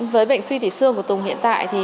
với bệnh suy tủy xương của tùng hiện tại